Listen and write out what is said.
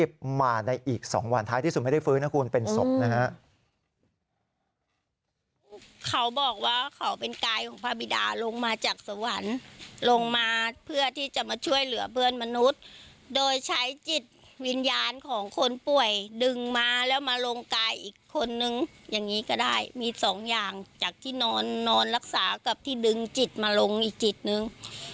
เขาบอกว่าเขาเป็นกายของพระบิดาลงมาจากสวรรค์ลงมาเพื่อที่จะมาช่วยเหลือเพื่อนมนุษย์โดยใช้จิตวิญญาณของคนป่วยดึงมาแล้วมาลงกายอีกคนนึงอย่างนี้ก็ได้มีสองอย่างจากที่นอนรักษากับที่ดึงจิตมาลงอีกจิตนึง